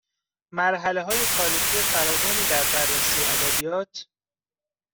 مرحلههای تاریخی فراوانی در بررسی ادبیات